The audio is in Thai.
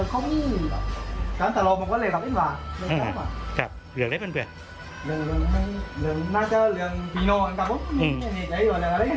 ให้ว่ามันน่าเจอเรียนเพียว